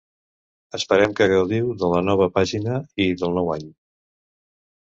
Esperem que gaudiu de la nova pàgina, i del nou any!